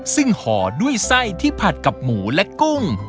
ซึ่งห่อด้วยไส้ที่ผัดกับหมูและกุ้ง